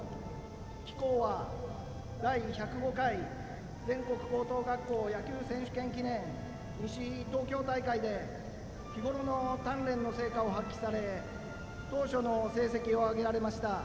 貴校は第１０５回全国高校野球選手権記念西東京大会で日ごろの鍛練の成果を発揮され当初の成績を挙げられました。